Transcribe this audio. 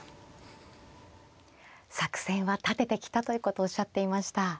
作戦は立ててきたということをおっしゃっていました。